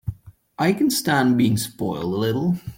I can stand being spoiled a little.